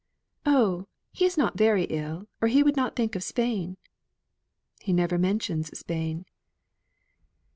"Oh! he is not very ill, or he would not think of Spain." "He never mentions Spain."